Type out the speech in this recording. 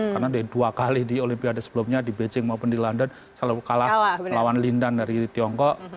karena ada dua kali di olimpiade sebelumnya di beijing maupun di london selalu kalah lawan lindan dari tiongkok